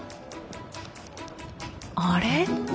あれ？